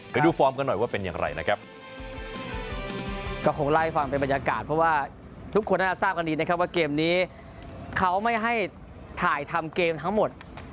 ฟอร์มกันหน่อยว่าเป็นอย่างไรนะครับก็คงไล่ฟังเป็นบรรยากาศเพราะว่าทุกคนน่าจะทราบกันดีนะครับว่าเกมนี้เขาไม่ให้ถ่ายทำเกมทั้งหมด